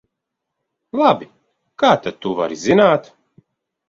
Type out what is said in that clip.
Labi, kā tad tu vari zināt?